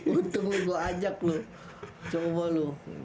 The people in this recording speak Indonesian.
untung gua ajak lu coba lu